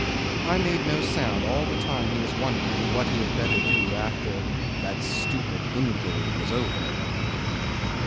I made no sound all the time he was wondering what he had better do after "that stupid inquiry was over."